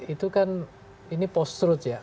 itu kan ini post truth ya